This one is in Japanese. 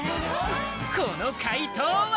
この快答は